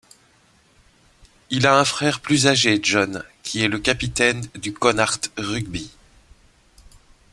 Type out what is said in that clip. Il a un frère plus âgé John, qui est le capitaine du Connacht Rugby.